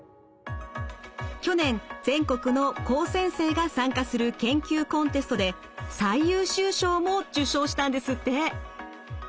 去年全国の高専生が参加する研究コンテストで最優秀賞も受賞したんですって。